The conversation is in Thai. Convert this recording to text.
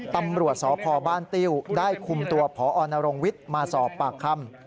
ตำรวจสพบ้านติ้วได้คุมตัวพอนรงวิทย์มาสอบปากคำ